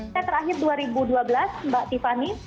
saya terakhir dua ribu dua belas mbak tiffany